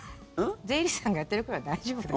税理士さんがやってくれるから大丈夫だよ。